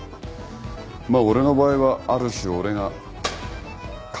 まあ俺の場合はある種俺が神だから。